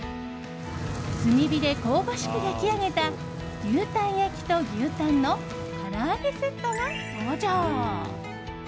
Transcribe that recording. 炭火で香ばしく焼き上げた牛たん焼きと牛たんの唐揚げセットが登場。